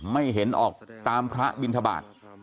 ไม่เห็นออกตามพระบินทบาท